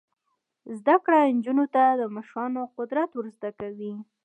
زده کړه نجونو ته د مشرانو قدر ور زده کوي.